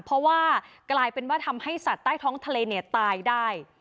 เพราะว่ากลายเป็นว่าทำให้สัตว์ใต้ท้องทะเลเนี่ยตายได้